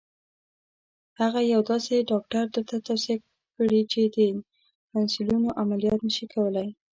هغه یو داسې ډاکټر درته توصیه کړي چې د تانسیلونو عملیات نه شي کولای.